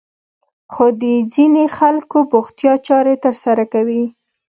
خو د ځينې خلکو بوختيا چارې ترسره کوي.